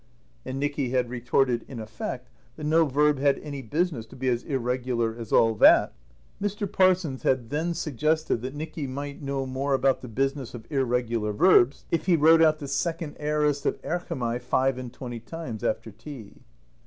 And Nicky had retorted, in effect, that no verb had any business to be as irregular as all that. Mr. Parsons had then suggested that Nicky might know more about the business of irregular verbs if he wrote out the second aorist of [Greek: erchomai] five and twenty times after tea.